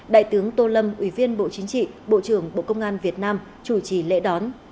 bộ chính trị bộ trưởng bộ công an việt nam chủ trì lễ đón